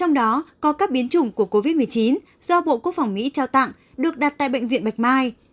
trong đó có các biến chủng của covid một mươi chín do bộ quốc phòng mỹ trao tặng được đặt tại bệnh viện bạch mai